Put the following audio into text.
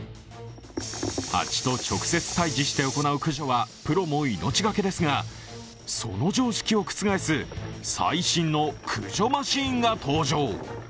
蜂と直接対峙して行う駆除はプロも命がけですが、その常識を覆す最新の駆除マシーンが登場。